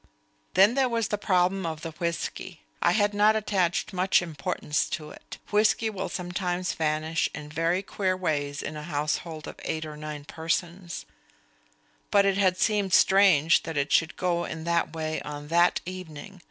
Then there was the problem of the whisky. I had not attached much importance to it; whisky will sometimes vanish in very queer ways in a household of eight or nine persons; but it had seemed strange that it should go in that way on that evening.